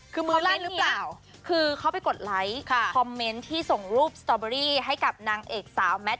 คือมือไลค์หรือเปล่าคือเขาไปกดไลค์คอมเมนต์ที่ส่งรูปสตอเบอรี่ให้กับนางเอกสาวแมท